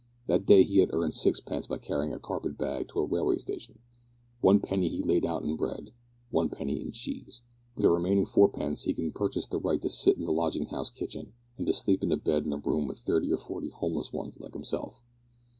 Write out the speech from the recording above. That day he had earned sixpence by carrying a carpet bag to a railway station. One penny he laid out in bread, one penny in cheese. With the remaining fourpence he could purchase the right to sit in the lodging house kitchen, and to sleep in a bed in a room with thirty or forty homeless ones like himself.